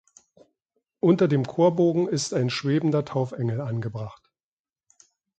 Unter dem Chorbogen ist ein schwebender Taufengel angebracht.